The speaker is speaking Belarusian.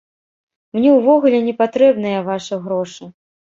Мне ўвогуле не патрэбныя вашыя грошы.